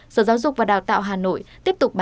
sở giáo dục và đào tạo hà nội tiếp tục